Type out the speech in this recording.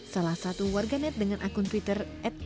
salah satu warganet dengan akun twitter